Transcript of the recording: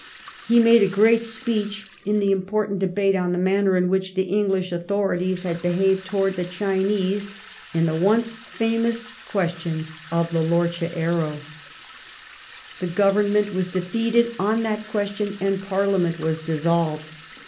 He made a great speech in the important debate on the manner in which the English authorities had behaved towards the Chinese in the once famous question of the lorcha Arrow. The Government was defeated on that question, and Parliament was dissolved.